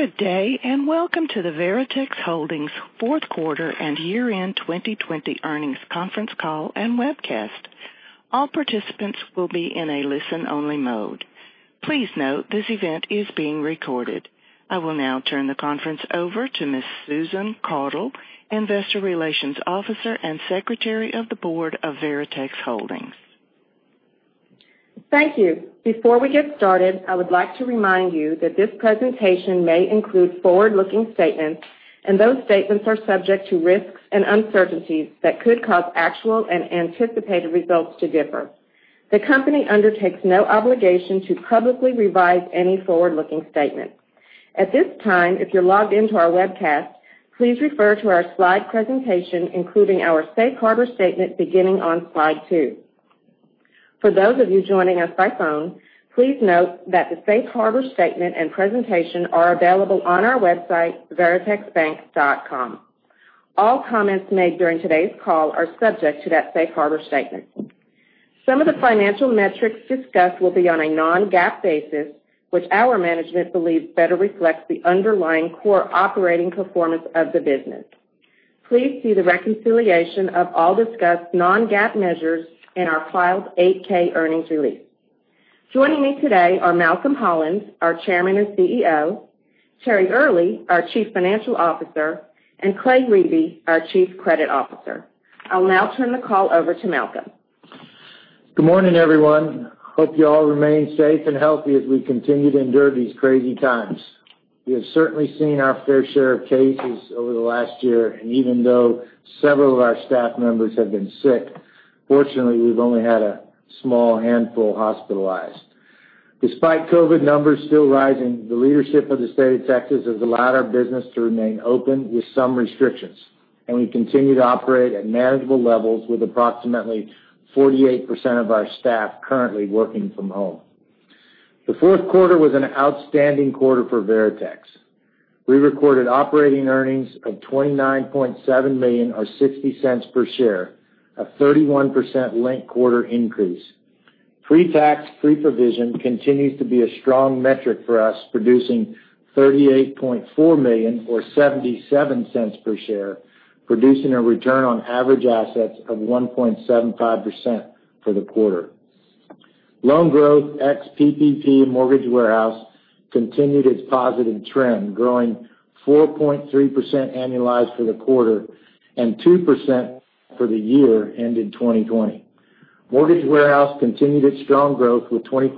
Good day, welcome to the Veritex Holdings fourth quarter and year-end 2020 earnings conference call and webcast. All participants will be in a listen-only mode. Please note this event is being recorded. I will now turn the conference over to Ms. Susan Caudle, Investor Relations Officer and Secretary of the Board of Veritex Holdings. Thank you. Before we get started, I would like to remind you that this presentation may include forward-looking statements. Those statements are subject to risks and uncertainties that could cause actual and anticipated results to differ. The company undertakes no obligation to publicly revise any forward-looking statements. At this time, if you're logged in to our webcast, please refer to our slide presentation, including our safe harbor statement, beginning on slide two. For those of you joining us by phone, please note that the safe harbor statement and presentation are available on our website, veritexbank.com. All comments made during today's call are subject to that safe harbor statement. Some of the financial metrics discussed will be on a non-GAAP basis, which our management believes better reflects the underlying core operating performance of the business. Please see the reconciliation of all discussed non-GAAP measures in our filed 8-K earnings release. Joining me today are Malcolm Holland, our Chairman and CEO, Terry Earley, our Chief Financial Officer, and Clay Riebe, our Chief Credit Officer. I'll now turn the call over to Malcolm. Good morning, everyone. Hope you all remain safe and healthy as we continue to endure these crazy times. We have certainly seen our fair share of cases over the last year, and even though several of our staff members have been sick, fortunately, we've only had a small handful hospitalized. Despite COVID numbers still rising, the leadership of the State of Texas has allowed our business to remain open with some restrictions, and we continue to operate at manageable levels with approximately 48% of our staff currently working from home. The fourth quarter was an outstanding quarter for Veritex. We recorded operating earnings of $29.7 million or $0.60 per share, a 31% linked-quarter increase. Pre-tax, pre-provision continues to be a strong metric for us, producing $38.4 million or $0.77 per share, producing a return on average assets of 1.75% for the quarter. Loan growth ex PPP Mortgage Warehouse continued its positive trend, growing 4.3% annualized for the quarter and 2% for the year ended 2020. Mortgage Warehouse continued its strong growth with 24%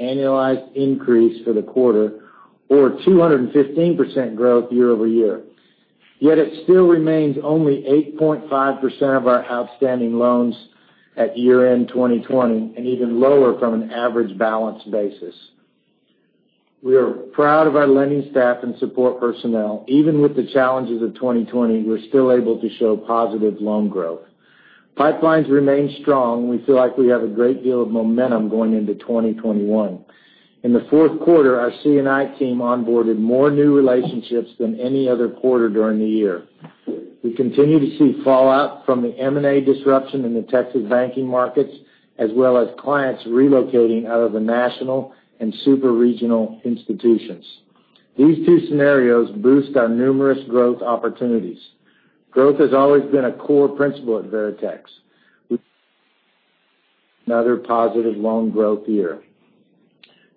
annualized increase for the quarter or 215% growth year-over-year. Yet it still remains only 8.5% of our outstanding loans at year-end 2020 and even lower from an average balance basis. We are proud of our lending staff and support personnel. Even with the challenges of 2020, we're still able to show positive loan growth. Pipelines remain strong. We feel like we have a great deal of momentum going into 2021. In the fourth quarter, our C&I team onboarded more new relationships than any other quarter during the year. We continue to see fallout from the M&A disruption in the Texas banking markets, as well as clients relocating out of the national and super-regional institutions. These two scenarios boost our numerous growth opportunities. Growth has always been a core principle at Veritex. another positive loan growth year.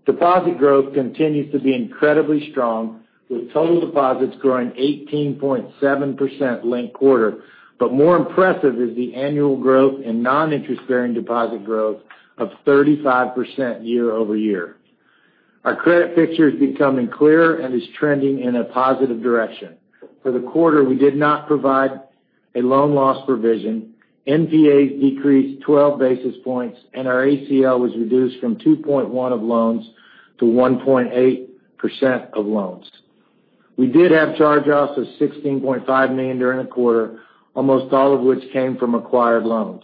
Deposit growth continues to be incredibly strong, with total deposits growing 18.7% linked-quarter. More impressive is the annual growth in non-interest-bearing deposit growth of 35% year-over-year. Our credit picture is becoming clearer and is trending in a positive direction. For the quarter, we did not provide a loan loss provision. NPAs decreased 12 basis points, and our ACL was reduced from 2.1% of loans to 1.8% of loans. We did have charge-offs of $16.5 million during the quarter, almost all of which came from acquired loans.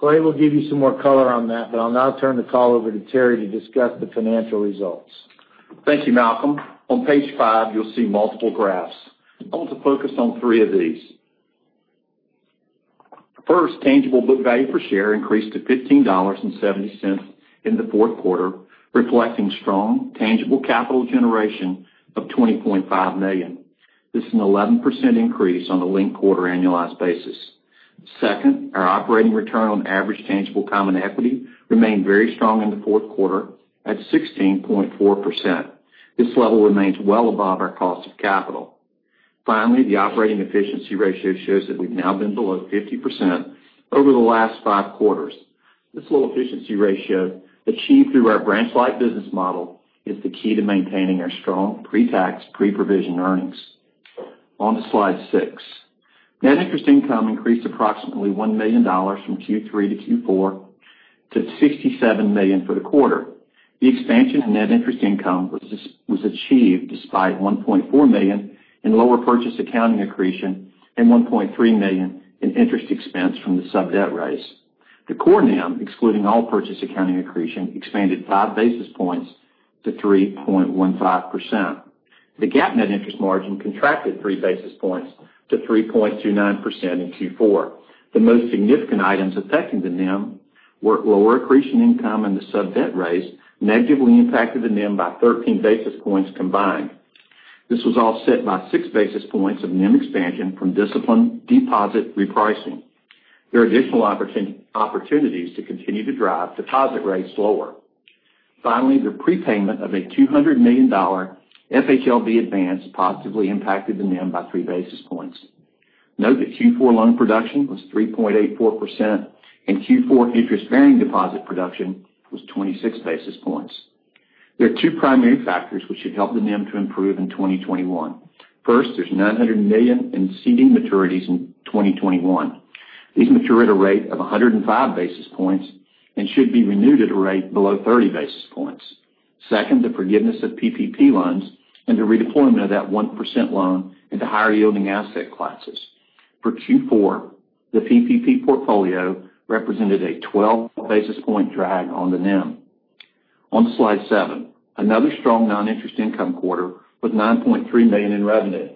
Clay will give you some more color on that, but I'll now turn the call over to Terry to discuss the financial results. Thank you, Malcolm. On page five, you'll see multiple graphs. I want to focus on three of these. First, tangible book value per share increased to $15.70 in the fourth quarter, reflecting strong tangible capital generation of $20.5 million. This is an 11% increase on a linked-quarter annualized basis. Second, our operating return on average tangible common equity remained very strong in the fourth quarter at 16.4%. This level remains well above our cost of capital. Finally, the operating efficiency ratio shows that we've now been below 50% over the last five quarters. This low efficiency ratio, achieved through our branch-like business model, is the key to maintaining our strong pre-tax, pre-provision earnings. On to slide six. Net interest income increased approximately $1 million from Q3 to Q4 to $67 million for the quarter. The expansion in net interest income was achieved despite $1.4 million in lower purchase accounting accretion and $1.3 million in interest expense from the sub debt raise. The core NIM, excluding all purchase accounting accretion, expanded five basis points to 3.15%. The GAAP net interest margin contracted three basis points to 3.29% in Q4. The most significant items affecting the NIM were lower accretion income and the sub-debt raise negatively impacted the NIM by 13 basis points combined. This was offset by six basis points of NIM expansion from disciplined deposit repricing. There are additional opportunities to continue to drive deposit rates lower. Finally, the prepayment of a $200 million FHLB advance positively impacted the NIM by three basis points. Note that Q4 loan production was 3.84%, and Q4 interest-bearing deposit production was 26 basis points. There are two primary factors which should help the NIM to improve in 2021. First, there's $900 million in CD maturities in 2021. These mature at a rate of 105 basis points and should be renewed at a rate below 30 basis points. Second, the forgiveness of PPP loans and the redeployment of that 1% loan into higher-yielding asset classes. For Q4, the PPP portfolio represented a 12 basis point drag on the NIM. On slide seven, another strong non-interest income quarter with $9.3 million in revenue.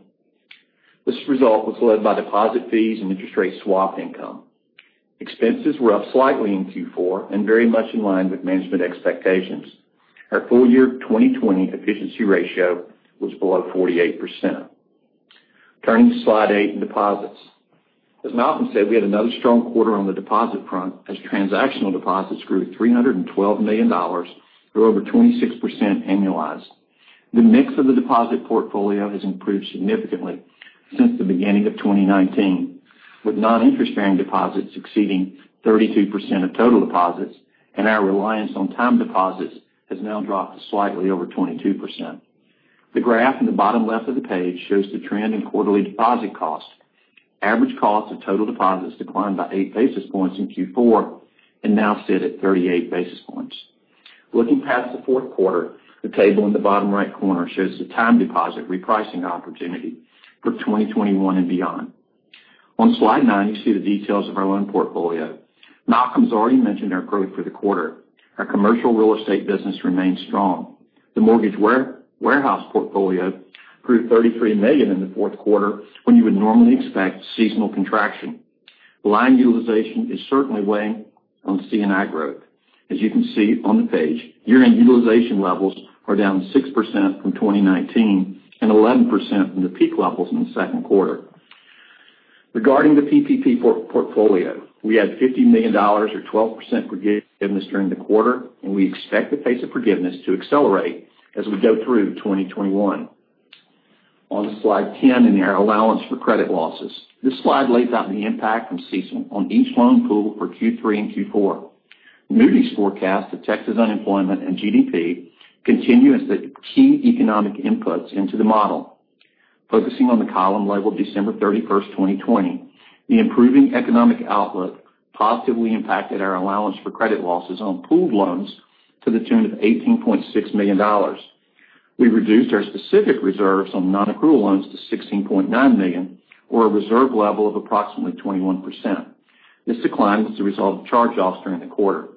This result was led by deposit fees and interest rate swap income. Expenses were up slightly in Q4 and very much in line with management expectations. Our full year 2020 efficiency ratio was below 48%. Turning to slide eight, deposits. As Malcolm said, we had another strong quarter on the deposit front as transactional deposits grew to $312 million, or over 26% annualized. The mix of the deposit portfolio has improved significantly since the beginning of 2019, with non-interest bearing deposits exceeding 32% of total deposits, and our reliance on time deposits has now dropped to slightly over 22%. The graph in the bottom left of the page shows the trend in quarterly deposit costs. Average cost of total deposits declined by eight basis points in Q4 and now sit at 38 basis points. Looking past the fourth quarter, the table in the bottom right corner shows the time deposit repricing opportunity for 2021 and beyond. On slide nine, you see the details of our loan portfolio. Malcolm's already mentioned our growth for the quarter. Our commercial real estate business remains strong. The Mortgage Warehouse portfolio grew to $33 million in the fourth quarter, when you would normally expect seasonal contraction. Line utilization is certainly weighing on C&I growth. As you can see on the page, year-end utilization levels are down 6% from 2019 and 11% from the peak levels in the second quarter. Regarding the PPP portfolio, we had $50 million or 12% forgiveness during the quarter, and we expect the pace of forgiveness to accelerate as we go through 2021. On to slide 10, and our allowance for credit losses. This slide lays out the impact from CECL on each loan pool for Q3 and Q4. Moody's forecast of Texas unemployment and GDP continue as the key economic inputs into the model. Focusing on the column labeled December 31st, 2020, the improving economic outlook positively impacted our allowance for credit losses on pooled loans to the tune of $18.6 million. We reduced our specific reserves on non-accrual loans to $16.9 million, or a reserve level of approximately 21%. This decline was the result of charge-offs during the quarter.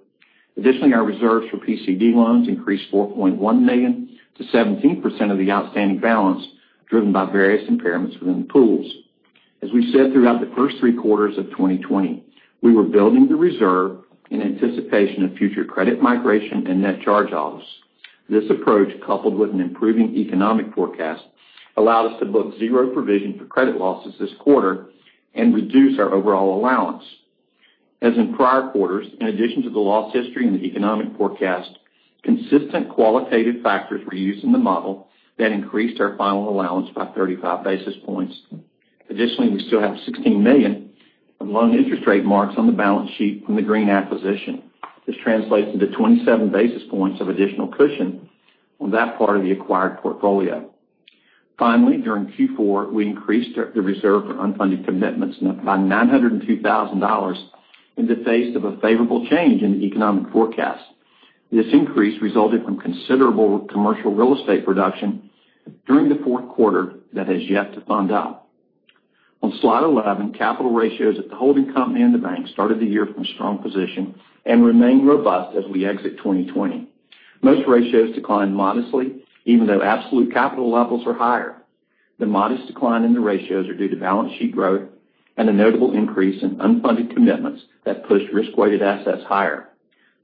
Additionally, our reserves for PCD loans increased $4.1 million to 17% of the outstanding balance, driven by various impairments within the pools. As we said throughout the first three quarters of 2020, we were building the reserve in anticipation of future credit migration and net charge-offs. This approach, coupled with an improving economic forecast, allowed us to book zero provision for credit losses this quarter and reduce our overall allowance. As in prior quarters, in addition to the loss history and the economic forecast, consistent qualitative factors were used in the model that increased our final allowance by 35 basis points. Additionally, we still have $16 million of loan interest rate marks on the balance sheet from the Green acquisition. This translates into 27 basis points of additional cushion on that part of the acquired portfolio. Finally, during Q4, we increased the reserve for unfunded commitments by $902,000 in the face of a favorable change in the economic forecast. This increase resulted from considerable commercial real estate production during the fourth quarter that has yet to fund out. On slide 11, capital ratios at the holding company and the bank started the year from a strong position and remain robust as we exit 2020. Most ratios declined modestly, even though absolute capital levels are higher. The modest decline in the ratios are due to balance sheet growth and a notable increase in unfunded commitments that pushed risk-weighted assets higher.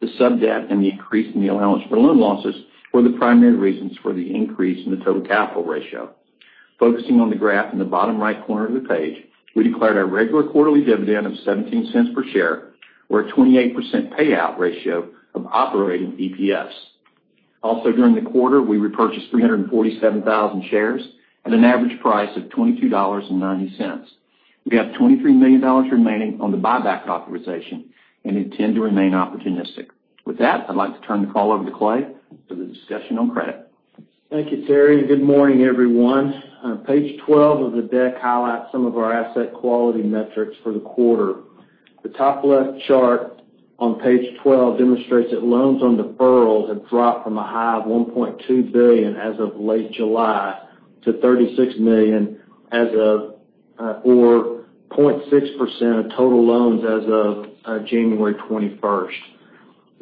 The sub-debt and the increase in the allowance for loan losses were the primary reasons for the increase in the total capital ratio. Focusing on the graph in the bottom right corner of the page, we declared our regular quarterly dividend of $0.17 per share or a 28% payout ratio of operating EPS. Also, during the quarter, we repurchased 347,000 shares at an average price of $22.90. We have $23 million remaining on the buyback authorization and intend to remain opportunistic. With that, I'd like to turn the call over to Clay for the discussion on credit. Thank you, Terry. Good morning, everyone. Page 12 of the deck highlights some of our asset quality metrics for the quarter. The top left chart on page 12 demonstrates that loans on deferral have dropped from a high of $1.2 billion as of late July to $36 million as of, or 0.6% of total loans as of January 21st.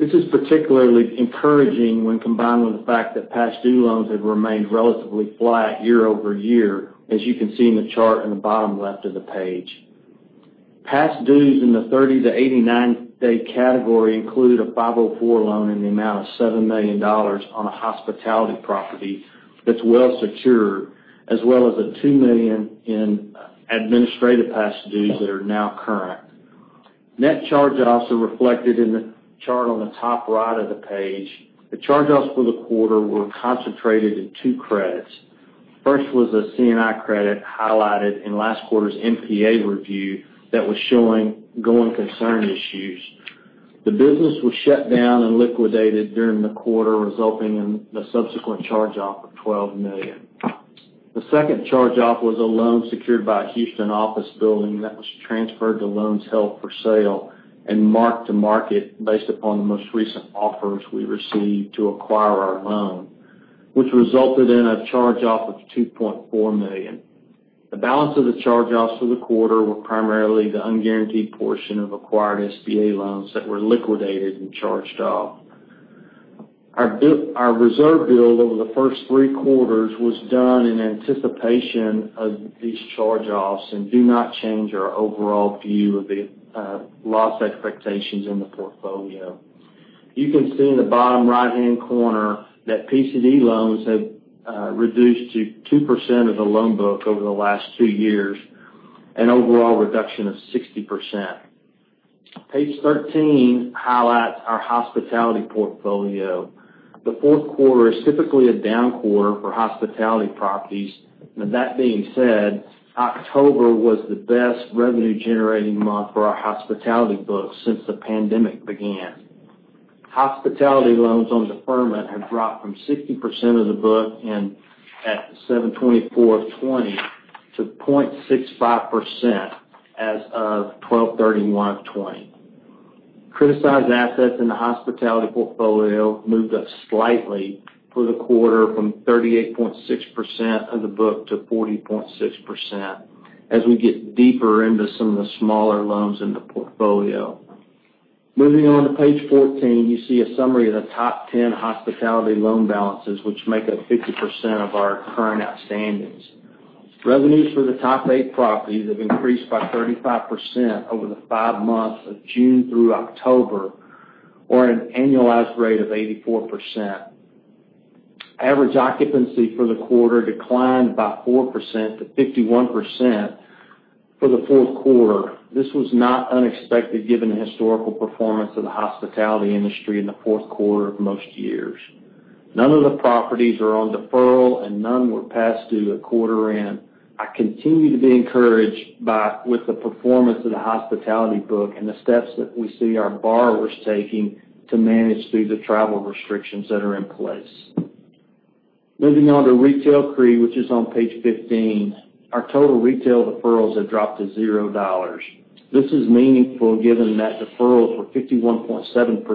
This is particularly encouraging when combined with the fact that past due loans have remained relatively flat year-over-year, as you can see in the chart in the bottom left of the page. Past dues in the 30-89 day category include a 504 loan in the amount of $7 million on a hospitality property that's well secured, as well as a $2 million in administrative past dues that are now current. Net charge-offs are reflected in the chart on the top right of the page. The charge-offs for the quarter were concentrated in two credits. First was a C&I credit highlighted in last quarter's NPA review that was showing going concern issues. The business was shut down and liquidated during the quarter, resulting in the subsequent charge-off of $12 million. The second charge-off was a loan secured by a Houston office building that was transferred to loans held for sale and marked to market based upon the most recent offers we received to acquire our loan, which resulted in a charge-off of $2.4 million. The balance of the charge-offs for the quarter were primarily the un-guaranteed portion of acquired SBA loans that were liquidated and charged off. Our reserve build over the first three quarters was done in anticipation of these charge-offs and do not change our overall view of the loss expectations in the portfolio. You can see in the bottom right-hand corner that PCD loans have reduced to 2% of the loan book over the last two years, an overall reduction of 60%. Page 13 highlights our hospitality portfolio. The fourth quarter is typically a down quarter for hospitality properties. That being said, October was the best revenue-generating month for our hospitality book since the pandemic began. Hospitality loans on deferment have dropped from 60% of the book in at the 07/24/20, to 0.65% as of 12/31/20. Criticized assets in the hospitality portfolio moved up slightly for the quarter from 38.6% of the book to 40.6% as we get deeper into some of the smaller loans in the portfolio. Moving on to page 14, you see a summary of the top 10 hospitality loan balances, which make up 50% of our current outstandings. Revenues for the top eight properties have increased by 35% over the five months of June through October, or an annualized rate of 84%. Average occupancy for the quarter declined by 4% to 51% for the fourth quarter. This was not unexpected given the historical performance of the hospitality industry in the fourth quarter of most years. None of the properties are on deferral and none were past due at quarter end. I continue to be encouraged with the performance of the hospitality book and the steps that we see our borrowers taking to manage through the travel restrictions that are in place. Moving on to retail CRE, which is on page 15. Our total retail deferrals have dropped to zero dollars. This is meaningful given that deferrals were 51.7%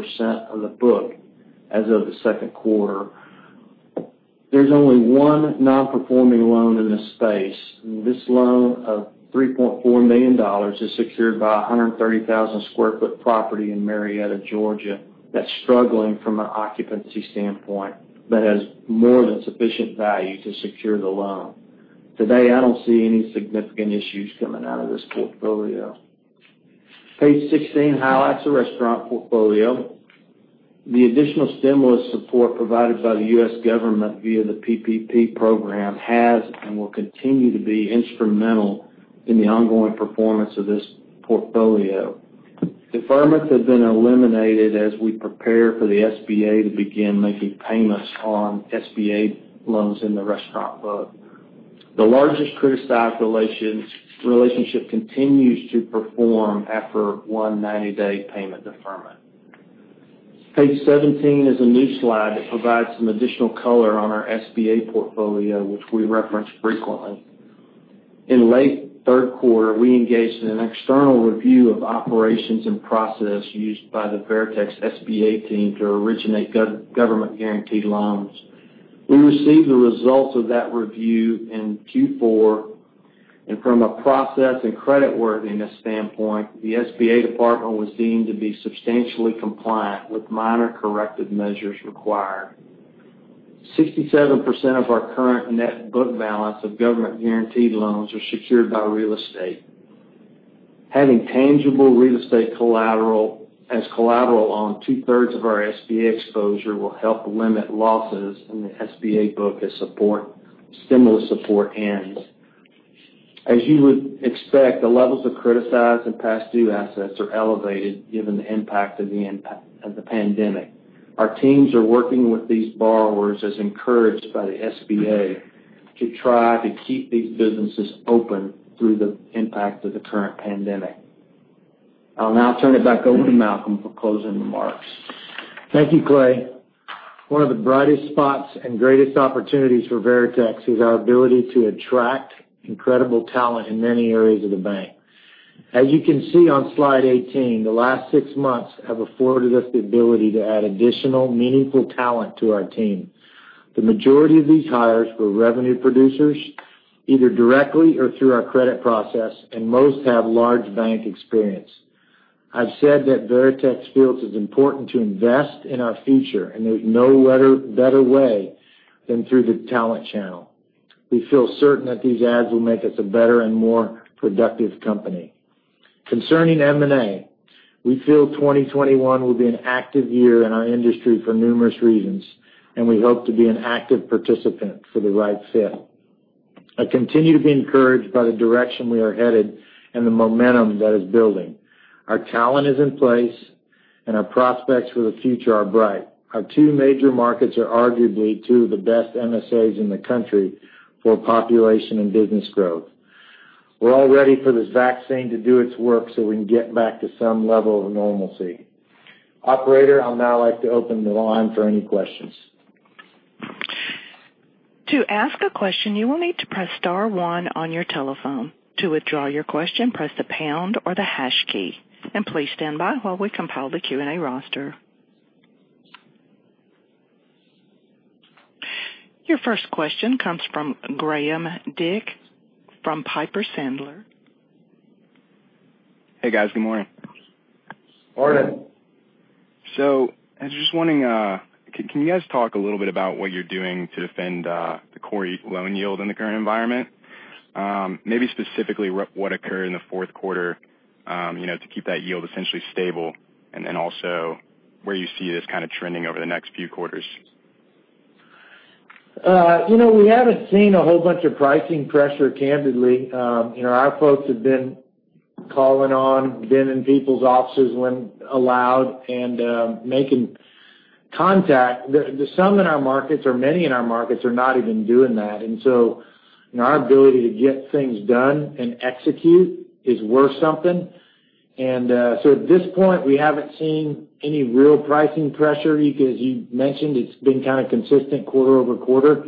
of the book as of the second quarter. There's only one non-performing loan in this space. This loan of $3.4 million is secured by 130,000 sq ft property in Marietta, Georgia, that's struggling from an occupancy standpoint, but has more than sufficient value to secure the loan. Today, I don't see any significant issues coming out of this portfolio. Page 16 highlights the restaurant portfolio. The additional stimulus support provided by the U.S. government via the PPP program has and will continue to be instrumental in the ongoing performance of this portfolio. Deferments have been eliminated as we prepare for the SBA to begin making payments on SBA loans in the restaurant book. The largest criticized relationship continues to perform after one 90-day payment deferment. Page 17 is a new slide that provides some additional color on our SBA portfolio, which we reference frequently. In late third quarter, we engaged in an external review of operations and process used by the Veritex SBA team to originate government-guaranteed loans. We received the results of that review in Q4, and from a process and credit worthiness standpoint, the SBA department was deemed to be substantially compliant with minor corrective measures required. 67% of our current net book balance of government-guaranteed loans are secured by real estate. Having tangible real estate as collateral on 2/3 of our SBA exposure will help limit losses in the SBA book as stimulus support ends. As you would expect, the levels of criticized and past due assets are elevated given the impact of the pandemic. Our teams are working with these borrowers as encouraged by the SBA to try to keep these businesses open through the impact of the current pandemic. I'll now turn it back over to Malcolm for closing remarks. Thank you, Clay. One of the brightest spots and greatest opportunities for Veritex is our ability to attract incredible talent in many areas of the bank. As you can see on slide 18, the last six months have afforded us the ability to add additional meaningful talent to our team. The majority of these hires were revenue producers, either directly or through our credit process, and most have large bank experience. I've said that Veritex feels it's important to invest in our future, and there's no better way than through the talent channel. We feel certain that these adds will make us a better and more productive company. Concerning M&A, we feel 2021 will be an active year in our industry for numerous reasons. We hope to be an active participant for the right fit. I continue to be encouraged by the direction we are headed and the momentum that is building. Our talent is in place, and our prospects for the future are bright. Our two major markets are arguably two of the best MSAs in the country for population and business growth. We're all ready for this vaccine to do its work so we can get back to some level of normalcy. Operator, I'll now like to open the line for any questions. To ask a question, you will need to press star one on your telephone. To withdraw your question, press the pound or the hash key, and please stand by while we compile the Q&A roster. Your first question comes from Graham Dick from Piper Sandler. Hey, guys. Good morning. Morning. I was just wondering, can you guys talk a little bit about what you're doing to defend the core loan yield in the current environment? Maybe specifically what occurred in the fourth quarter to keep that yield essentially stable, and then also where you see this kind of trending over the next few quarters? We haven't seen a whole bunch of pricing pressure, candidly. Our folks have been calling on, been in people's offices when allowed, and making contact. Some in our markets, or many in our markets, are not even doing that. Our ability to get things done and execute is worth something. At this point, we haven't seen any real pricing pressure. Because you mentioned, it's been kind of consistent quarter-over-quarter.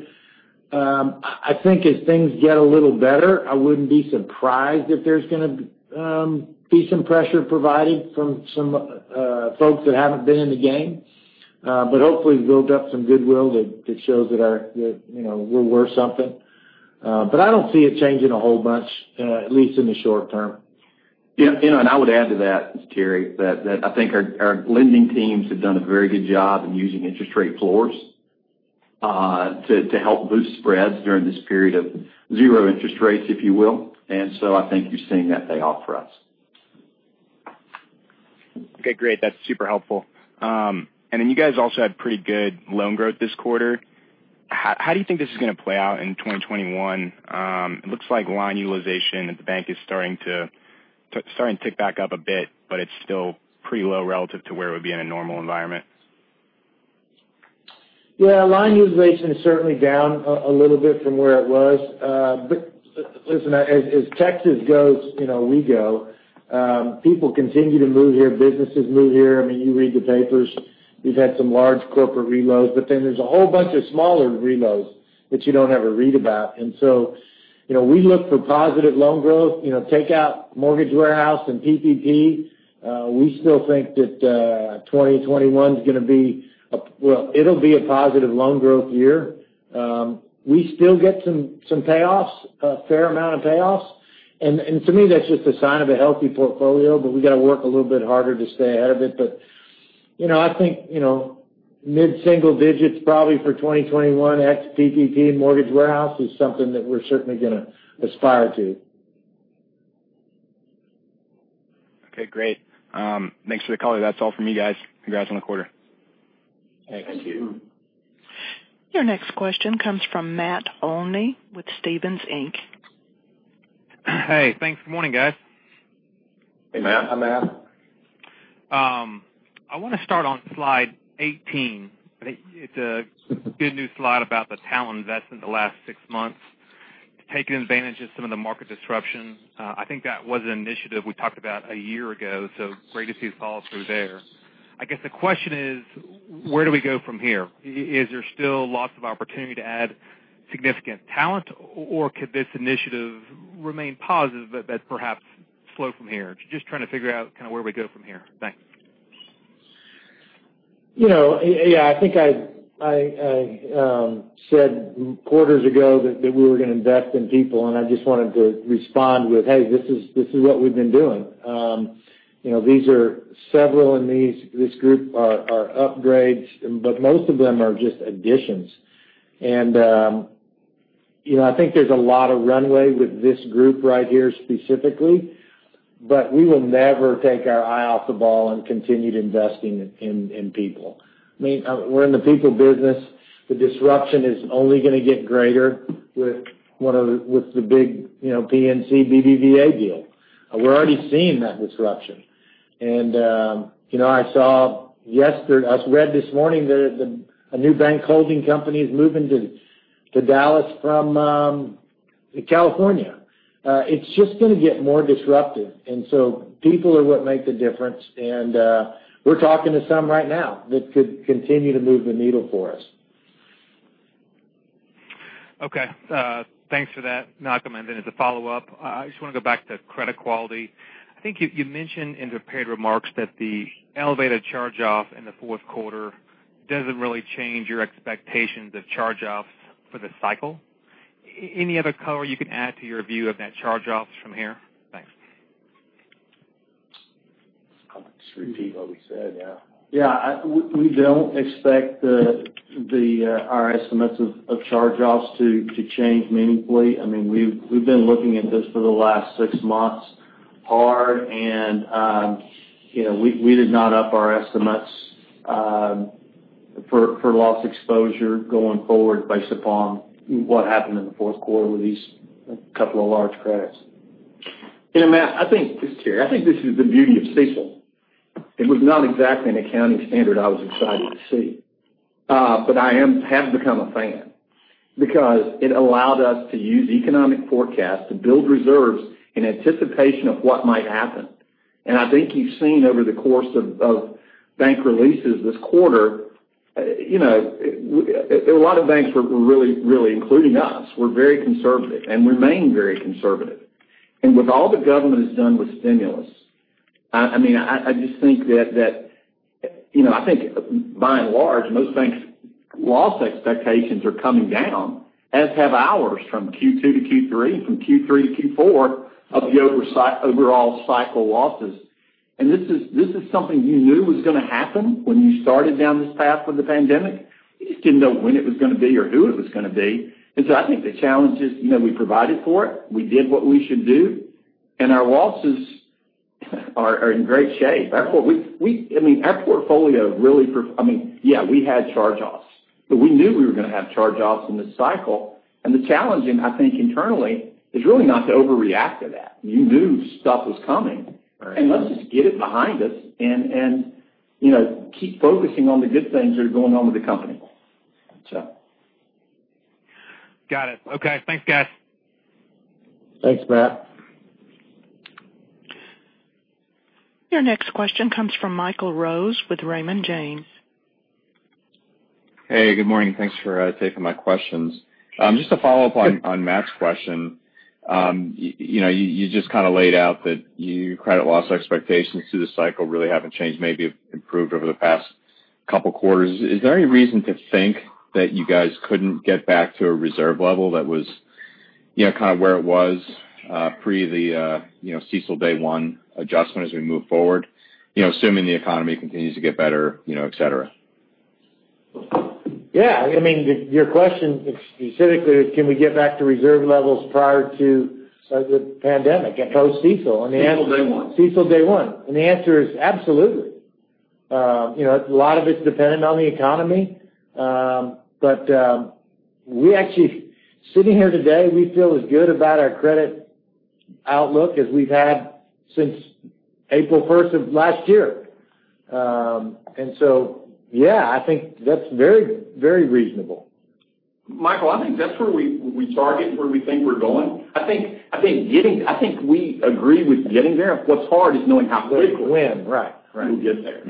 I think as things get a little better, I wouldn't be surprised if there's going to be some pressure provided from some folks that haven't been in the game. Hopefully we've built up some goodwill that shows that we're worth something. I don't see it changing a whole bunch, at least in the short term. Yeah. I would add to that, it's Terry, that I think our lending teams have done a very good job in using interest rate floors to help boost spreads during this period of zero interest rates, if you will. I think you're seeing that pay off for us. Okay, great. That's super helpful. You guys also had pretty good loan growth this quarter. How do you think this is going to play out in 2021? It looks like line utilization at the bank is starting to tick back up a bit, but it's still pretty low relative to where it would be in a normal environment. Yeah, line utilization is certainly down a little bit from where it was. Listen, as Texas goes, we go. People continue to move here. Businesses move here. You read the papers. We've had some large corporate relocates. There's a whole bunch of smaller relocates that you don't ever read about. We look for positive loan growth. Take out Mortgage Warehouse and PPP, we still think that 2021 is going to be a positive loan growth year. We still get some payoffs, a fair amount of payoffs. To me, that's just a sign of a healthy portfolio, but we got to work a little bit harder to stay ahead of it. I think mid-single digits probably for 2021 ex-PPP and Mortgage Warehouse is something that we're certainly going to aspire to. Okay, great. Thanks for the color. That's all from me, guys. Congrats on the quarter. Thank you. Thank you. Your next question comes from Matt Olney with Stephens Inc. Hey, thanks. Good morning, guys. Hey, Matt. Hi, Matt. I want to start on slide 18. It's a good new slide about the talent investment the last six months, taking advantage of some of the market disruption. I think that was an initiative we talked about a year ago, so great to see the follow through there. I guess the question is, where do we go from here? Is there still lots of opportunity to add significant talent, or could this initiative remain positive but perhaps slow from here? Just trying to figure out kind of where we go from here. Thanks. Yeah. I think I said quarters ago that we were going to invest in people, I just wanted to respond with, hey, this is what we've been doing. Several in this group are upgrades, most of them are just additions. I think there's a lot of runway with this group right here specifically, but we will never take our eye off the ball on continued investing in people. We're in the people business. The disruption is only going to get greater with the big PNC-BBVA deal. We're already seeing that disruption. I read this morning that a new bank holding company is moving to Dallas from California. It's just going to get more disruptive. People are what make the difference, we're talking to some right now that could continue to move the needle for us. Okay, thanks for that. No, I'm ending it. As a follow-up, I just want to go back to credit quality. I think you mentioned in the prepared remarks that the elevated charge-off in the fourth quarter doesn't really change your expectations of charge-offs for the cycle? Any other color you can add to your view of net charge-offs from here? Thanks. I'll just repeat what we said, yeah. Yeah. We don't expect our estimates of charge-offs to change meaningfully. We've been looking at this for the last six months hard, and we did not up our estimates for loss exposure going forward based upon what happened in the fourth quarter with these couple of large credits. Matt, this is Terry. I think this is the beauty of CECL. It was not exactly an accounting standard I was excited to see. I have become a fan because it allowed us to use economic forecasts to build reserves in anticipation of what might happen. I think you've seen over the course of bank releases this quarter, a lot of banks, really including us, were very conservative and remain very conservative. With all the government has done with stimulus, I just think that by and large, most banks' loss expectations are coming down, as have ours from Q2 to Q3, from Q3 to Q4 of the overall cycle losses. This is something you knew was going to happen when you started down this path with the pandemic. You just didn't know when it was going to be or who it was going to be. I think the challenge is we provided for it. We did what we should do, and our losses are in great shape. Our portfolio really. Yeah, we had charge-offs, but we knew we were going to have charge-offs in this cycle. The challenge, I think internally, is really not to overreact to that. You knew stuff was coming. Let's just get it behind us and keep focusing on the good things that are going on with the company. Got it. Okay. Thanks, guys. Thanks, Matt. Your next question comes from Michael Rose with Raymond James. Hey, good morning. Thanks for taking my questions. Just a follow-up on Matt's question. You just kind of laid out that your credit loss expectations through the cycle really haven't changed, maybe have improved over the past couple quarters. Is there any reason to think that you guys couldn't get back to a reserve level that was kind of where it was pre the CECL Day 1 adjustment as we move forward, assuming the economy continues to get better, et cetera? Yeah. Your question specifically is can we get back to reserve levels prior to the pandemic and post CECL? CECL Day 1. CECL Day 1? The answer is absolutely. A lot of it's dependent on the economy. We actually, sitting here today, we feel as good about our credit outlook as we've had since April 1st of last year. Yeah, I think that's very reasonable. Michael, I think that's where we target and where we think we're going. I think we agree with getting there. What's hard is knowing how quickly we'll get there.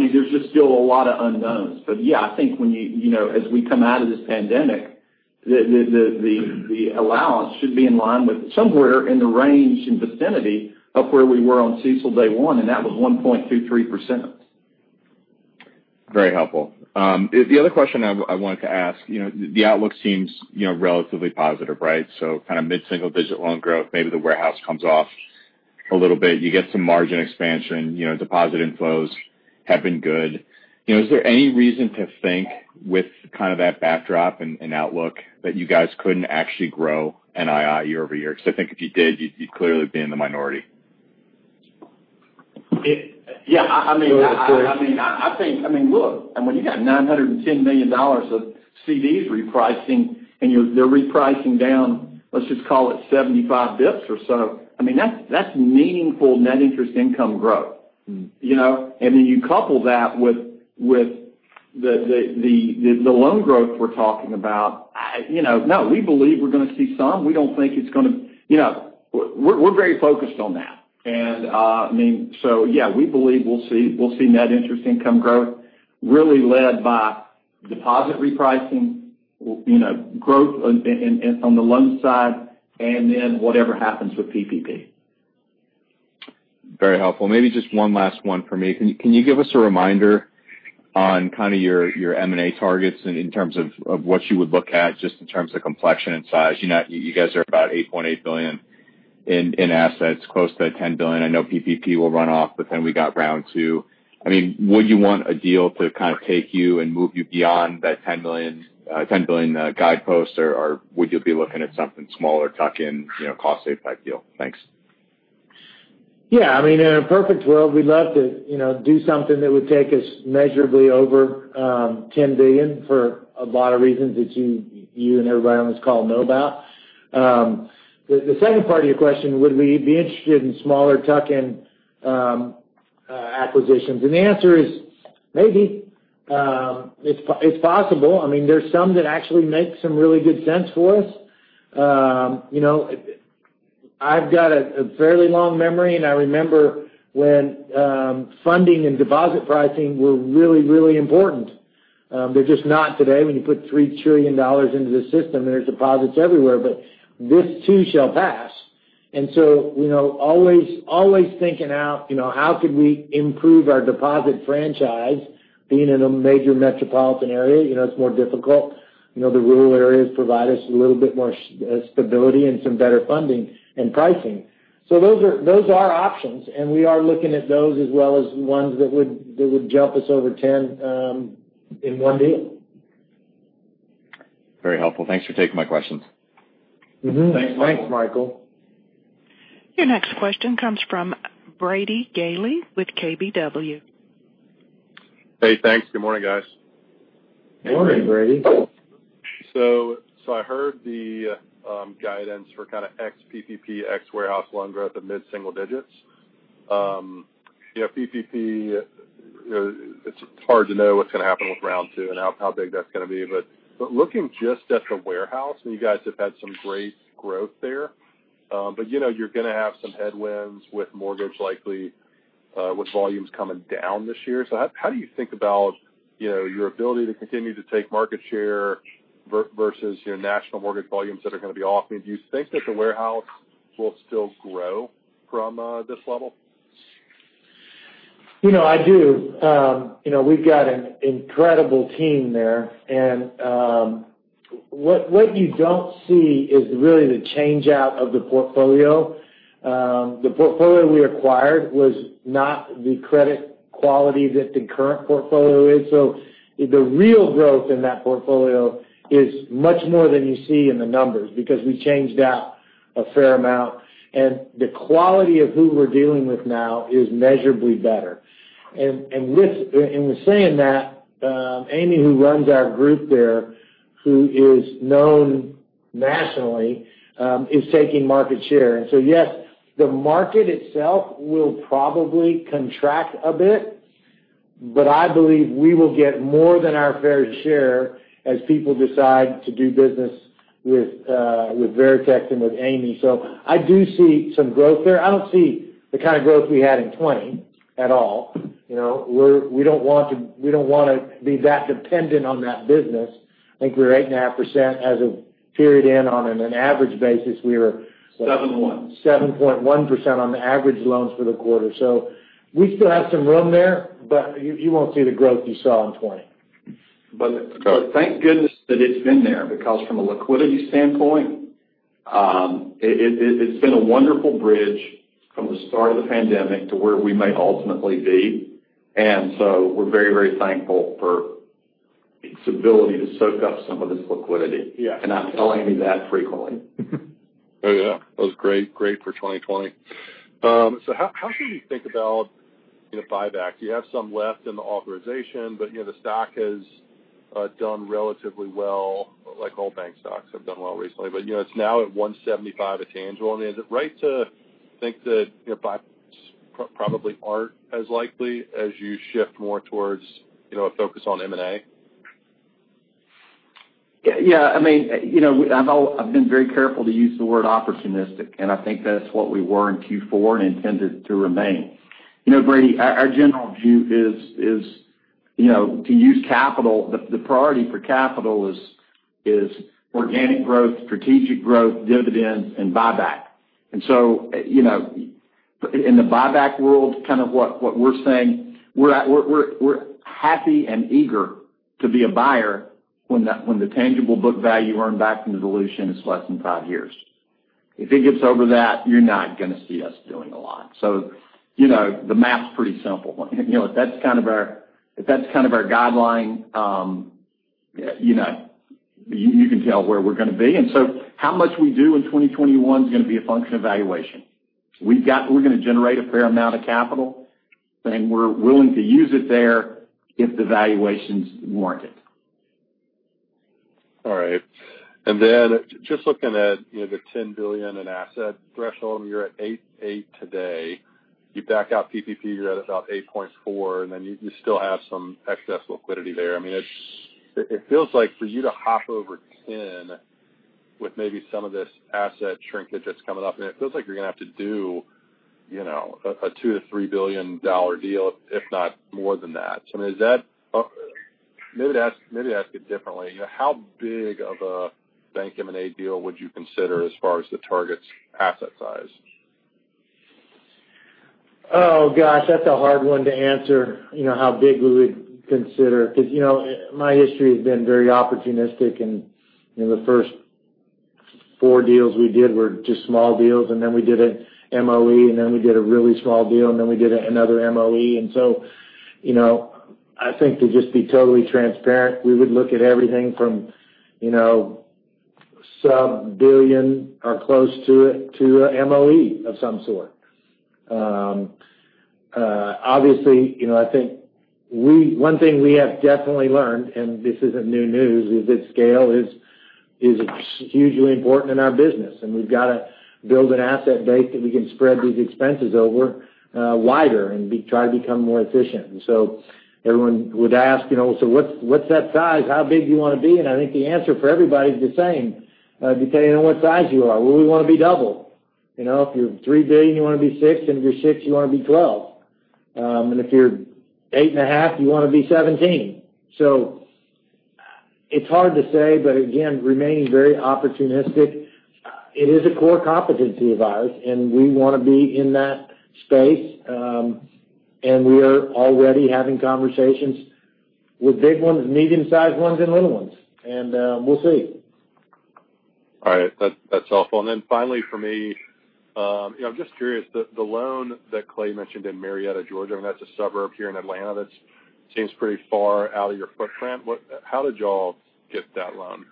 There's just still a lot of unknowns. Yeah, I think as we come out of this pandemic, the allowance should be in line with somewhere in the range and vicinity of where we were on CECL Day 1, and that was 1.23%. Very helpful. The other question I wanted to ask, the outlook seems relatively positive, right? Kind of mid-single digit loan growth. Maybe the warehouse comes off a little bit. You get some margin expansion. Deposit inflows have been good. Is there any reason to think with kind of that backdrop and outlook that you guys couldn't actually grow NII year-over-year? I think if you did, you'd clearly be in the minority. Yeah. Go ahead, Terry. Look, when you got $910 million of CDs repricing, and they're repricing down, let's just call it 75 basis points or so, that's meaningful net interest income growth. You couple that with the loan growth we're talking about. No, we believe we're going to see some. We're very focused on that. Yeah, we believe we'll see net interest income growth really led by deposit repricing, growth on the loan side, and then whatever happens with PPP. Very helpful. Maybe just one last one for me. Can you give us a reminder on kind of your M&A targets in terms of what you would look at just in terms of complexion and size? You guys are about $8.8 billion in assets, close to $10 billion. I know PPP will run off, but then we got Round 2. Would you want a deal to kind of take you and move you beyond that $10 billion guidepost, or would you be looking at something smaller tuck-in, cost-save type deal? Thanks. Yeah. In a perfect world, we'd love to do something that would take us measurably over $10 billion for a lot of reasons that you and everybody on this call know about. The second part of your question, would we be interested in smaller tuck-in acquisitions? The answer is maybe. It's possible. There's some that actually make some really good sense for us. I've got a fairly long memory, and I remember when funding and deposit pricing were really, really important. They're just not today when you put $3 trillion into the system, and there's deposits everywhere. This too shall pass. Always thinking out, how could we improve our deposit franchise being in a major metropolitan area? It's more difficult. The rural areas provide us a little bit more stability and some better funding and pricing. Those are options, and we are looking at those as well as ones that would jump us over 10 in one deal. Very helpful. Thanks for taking my questions. Mm-hmm. Thanks, Michael. Your next question comes from Brady Gailey with KBW. Hey, thanks. Good morning, guys. Morning, Brady. I heard the guidance for kind of ex-PPP, ex-Warehouse loan growth at mid-single digits. PPP, it's hard to know what's going to happen with Round 2 and how big that's going to be. Looking just at the Warehouse, and you guys have had some great growth there, you're going to have some headwinds with mortgage likely with volumes coming down this year. How do you think about your ability to continue to take market share versus your national mortgage volumes that are going to be off? Do you think that the Warehouse will still grow from this level? I do. We've got an incredible team there. What you don't see is really the change-out of the portfolio. The portfolio we acquired was not the credit quality that the current portfolio is. The real growth in that portfolio is much more than you see in the numbers because we changed out a fair amount, and the quality of who we're dealing with now is measurably better. In saying that, Amy, who runs our group there, who is known nationally, is taking market share. Yes, the market itself will probably contract a bit, but I believe we will get more than our fair share as people decide to do business with Veritex and with Amy. I do see some growth there. I don't see the kind of growth we had in 2020 at all. We don't want to be that dependent on that business. I think right now we're at [percent] as of period end on an average basis, 7.1% on the average loans for the quarter. We still have some room there, but you won't see the growth you saw in 2020. Thank goodness that it's been there because from a liquidity standpoint, it's been a wonderful bridge from the start of the pandemic to where we may ultimately be. We're very, very thankful for its ability to soak up some of this liquidity. Yes. I'm telling you that frequently. Oh, yeah. That was great for 2020. How should you think about the buyback? Do you have some left in the authorization? The stock has done relatively well, like all bank stocks have done well recently, but it's now at 1.75% at tangible. Is it right to think that buybacks probably aren't as likely as you shift more towards a focus on M&A? Yeah. I've been very careful to use the word opportunistic, and I think that's what we were in Q4 and intended to remain. Brady, our general view is to use capital. The priority for capital is organic growth, strategic growth, dividends, and buyback. In the buyback world, kind of what we're saying, we're happy and eager to be a buyer when the tangible book value earned back from the dilution is less than five years. If it gets over that, you're not going to see us doing a lot. The math's pretty simple. If that's kind of our guideline, you can tell where we're going to be. How much we do in 2021 is going to be a function of valuation. We're going to generate a fair amount of capital, and we're willing to use it there if the valuations warrant it. All right. Just looking at the $10 billion in asset threshold, you're at $8.8 billion today. You back out PPP, you're at about $8.4 billion, you still have some excess liquidity there. It feels like for you to hop over $10 billion with maybe some of this asset shrinkage that's coming up, it feels like you're going to have to do a $2 billion-$3 billion deal, if not more than that. Maybe ask it differently. How big of a bank M&A deal would you consider as far as the target's asset size? Oh, gosh, that's a hard one to answer, how big we would consider because my history has been very opportunistic. The first four deals we did were just small deals. We did an MOE. We did a really small deal. We did another MOE. I think to just be totally transparent, we would look at everything from sub-billion or close to it to a MOE of some sort. Obviously, I think one thing we have definitely learned, and this isn't new news, is its scale is hugely important in our business. We've got to build an asset base that we can spread these expenses over wider and try to become more efficient. Everyone would ask, what's that size? How big do you want to be? I think the answer for everybody is the same, depending on what size you are. We want to be double. If you're $3 billion, you want to be $6 billion, and if you're $6 billion, you want to be $12 billion. If you're $8.5 billion, you want to be $17 billion. It's hard to say, but again, remaining very opportunistic. It is a core competency of ours, and we want to be in that space. We are already having conversations with big ones, medium-sized ones, and little ones. We'll see. All right. That's helpful. Finally for me, I'm just curious, the loan that Clay mentioned in Marietta, Georgia, that's a suburb here in Atlanta, that seems pretty far out of your footprint. How did you all get that loan?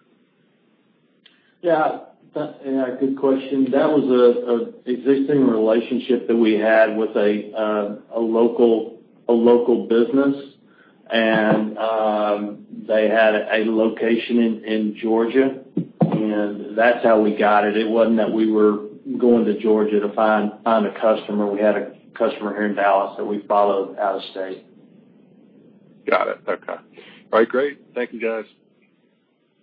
Yeah. Good question. That was an existing relationship that we had with a local business. They had a location in Georgia. That's how we got it. It wasn't that we were going to Georgia to find a customer. We had a customer here in Dallas that we followed out of state. Got it. Okay. All right, great. Thank you, guys.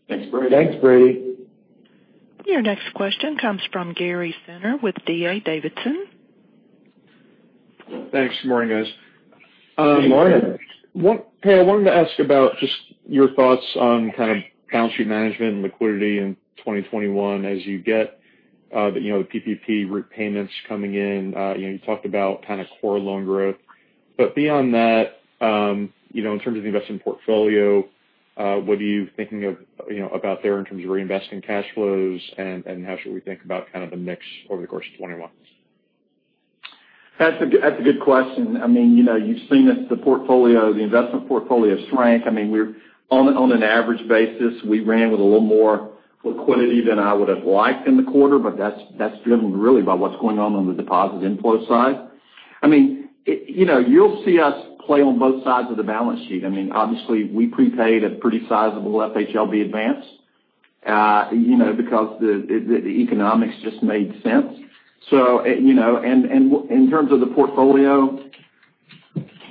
Thanks, Brady. Thanks, Brady. Your next question comes from Gary Tenner with D.A. Davidson. Thanks. Good morning, guys. Good morning. Hey, I wanted to ask about just your thoughts on kind of balance sheet management and liquidity in 2021 as you get the PPP repayments coming in, you talked about core loan growth. Beyond that, in terms of the investment portfolio, what are you thinking of about there in terms of reinvesting cash flows and how should we think about kind of the mix over the course of 2021? That's a good question. You've seen the investment portfolio shrank. On an average basis, we ran with a little more liquidity than I would've liked in the quarter, but that's driven really by what's going on the deposit inflow side. You'll see us play on both sides of the balance sheet. Obviously, we prepaid a pretty sizable FHLB advance because the economics just made sense. In terms of the portfolio,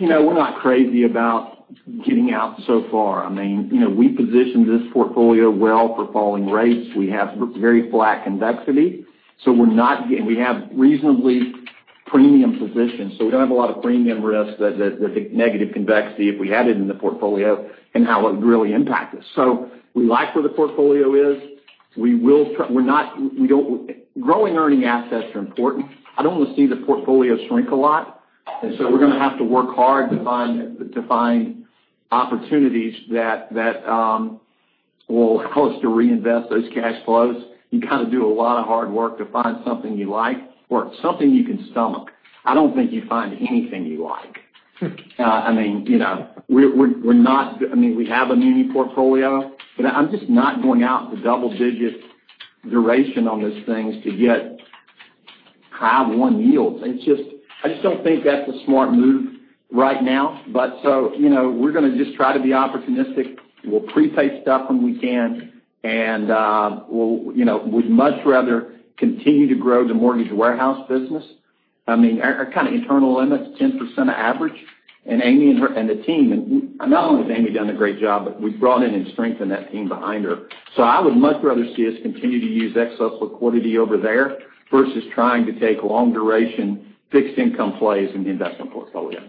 we're not crazy about getting out so far. We positioned this portfolio well for falling rates. We have very flat convexity. We have reasonably premium positions, so we don't have a lot of premium risk that the negative convexity, if we had it in the portfolio, and how it would really impact us. We like where the portfolio is. Growing earning assets are important. I don't want to see the portfolio shrink a lot. We're going to have to work hard to find opportunities that will cause us to reinvest those cash flows. You kind of do a lot of hard work to find something you like or something you can stomach. I don't think you find anything you like. We have a muni portfolio, but I'm just not going out to double-digit duration on those things to get high one yields. I just don't think that's a smart move right now. We're going to just try to be opportunistic. We'll prepay stuff when we can, and we'd much rather continue to grow the Mortgage Warehouse business. Our kind of internal limit's 10% average. Amy and the team, not only has Amy done a great job, but we've brought in and strengthened that team behind her. I would much rather see us continue to use excess liquidity over there versus trying to take long-duration fixed income plays in the investment portfolio.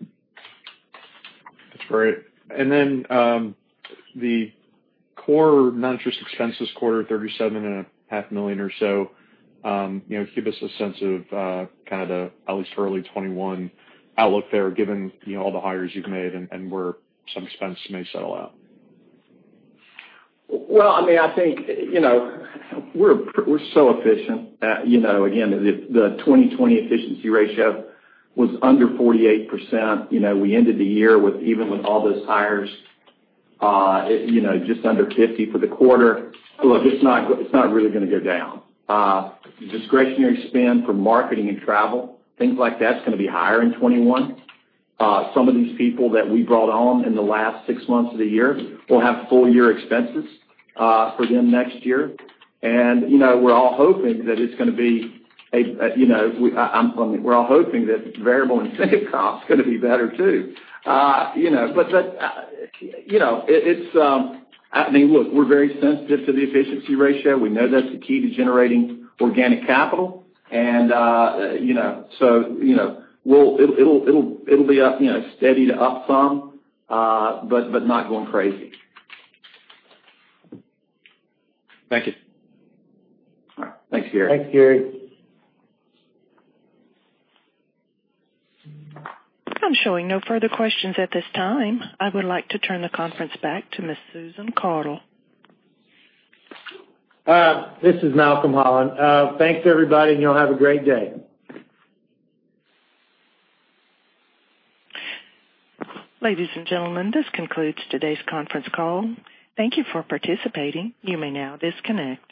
That's great. Then, the core non-interest expenses quarter, $37.5 million or so. Give us a sense of kind of the, at least early 2021 outlook there, given all the hires you've made and where some expense may settle out. Well, I think, we're so efficient. Again, the 2020 efficiency ratio was under 48%. We ended the year, even with all those hires, just under 50 for the quarter. Look, it's not really going to go down. Discretionary spend for marketing and travel, things like that's going to be higher in 2021. Some of these people that we brought on in the last six months of the year will have full-year expenses for them next year. We're all hoping that variable incentive cost is going to be better, too. Look, we're very sensitive to the efficiency ratio. We know that's the key to generating organic capital. It'll be steady to up some, but not going crazy. Thank you. All right. Thanks, Gary. Thanks, Gary. I'm showing no further questions at this time. I would like to turn the conference back to Ms. Susan Caudle. This is Malcolm Holland. Thanks, everybody, and y'all have a great day. Ladies and gentlemen, this concludes today's conference call. Thank you for participating. You may now disconnect.